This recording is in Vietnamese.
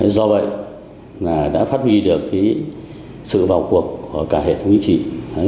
do vậy đã phát huy được sự vào cuộc của cả hệ thống chính trị